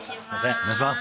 お願いします